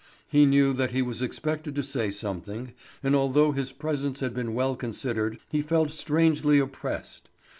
He knew that he was expected to say something, and although his presence had been well considered, he felt strangely oppressed.